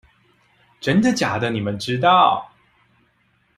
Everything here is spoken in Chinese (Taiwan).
真的假的你們知道